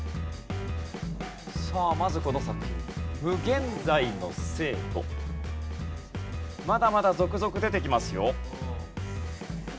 さあまずこの作品まだまだ続々出てきますよ。